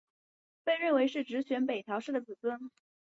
被认为是执权北条氏的子孙。